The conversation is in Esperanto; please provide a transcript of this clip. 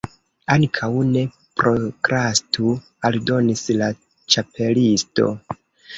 "Ankaŭ ne prokrastu," aldonis la Ĉapelisto